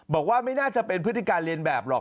บอกว่าไม่น่าจะเป็นพฤติการเรียนแบบหรอก